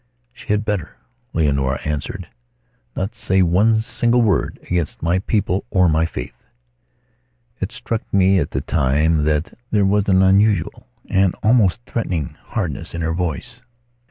"She had better," Leonora answered, "not say one single word against my people or my faith." It struck me at the time, that there was an unusual, an almost threatening, hardness in her voice.